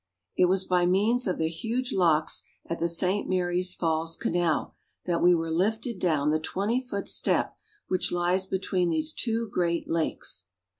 It was by means of the huge locks at the St. Marys Falls Canal that we were lifted down the twenty foot step which lies between these two great lakes.